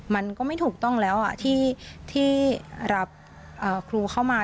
มันก็ไม่ถูกต้องแล้วที่รับครูเข้ามา